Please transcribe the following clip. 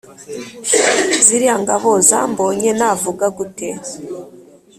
ziriya ngabo zambonye navuga gute